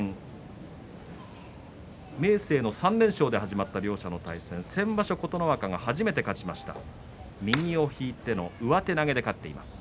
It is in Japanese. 明生の３連勝で始まった両者の対戦先場所琴ノ若が初めて勝ちました。